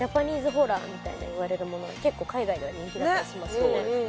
ホラーみたいないわれるものは結構海外では人気だったりしますよね